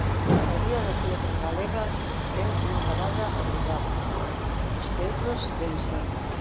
O Día das Letras Galegas ten unha parada obrigada: os centros de ensino.